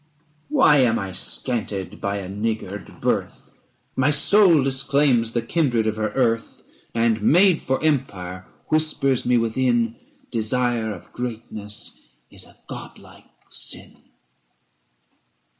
Why am I scanted by a niggard birth? My soul disclaims the kindred of her earth, 370 And, made for empire, whispers me within, Desire of greatness is a god like sin.'